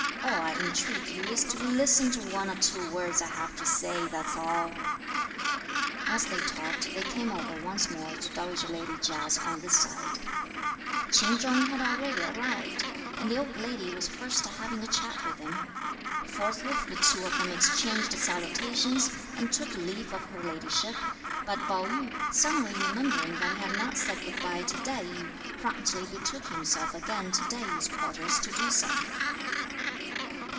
all I entreat you is to listen to one or two words I have to say, that's all." As they talked they came over once more to dowager lady Chia's on this side. Ch'in Chung had already arrived, and the old lady was first having a chat with him. Forthwith the two of them exchanged salutations, and took leave of her ladyship; but Pao yü, suddenly remembering that he had not said good bye to Tai yü, promptly betook himself again to Tai yü's quarters to do so.